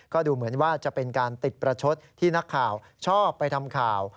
ก็ดูเหมือนว่าจะเป็นการติดประชดที่นักข่าวชอบไปทำข่าว